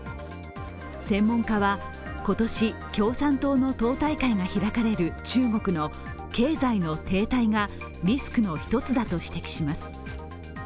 専門家は今年、共産党の党大会が開かれる中国の経済の停滞がリスクの１つだと指摘します。